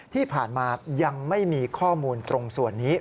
ที่ผ่านมายังไม่มีข้อมูลตรงส่วนนี้